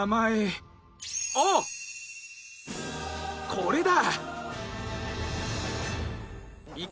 これだ！